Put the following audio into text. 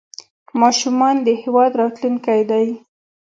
ماشومان د هېواد راتلونکی دی